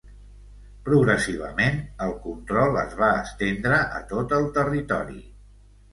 Progressivament el control es va estendre a tot el territori.